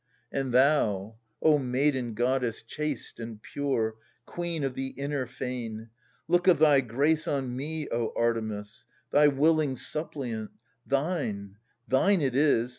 And thou, O maiden goddess chaste and pure —■ Queen of the inner fane, — Look of thy grace on me, O Artemis, Thy wilHng suppliant — thine, thine it is.